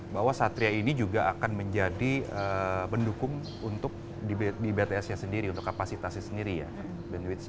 bahwa satria ini juga akan menjadi pendukung untuk di bts nya sendiri untuk kapasitasnya sendiri ya